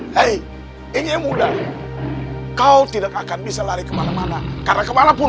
saya sudah biasa menangkap harimau